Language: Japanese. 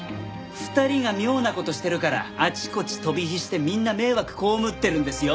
２人が妙な事してるからあちこち飛び火してみんな迷惑被ってるんですよ。